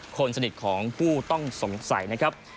คนสนิทของผู้ต้องสงสัยนะครับ